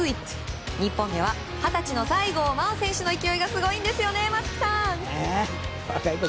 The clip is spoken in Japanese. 日本では二十歳の西郷真央選手の勢いが、すごいんですよ。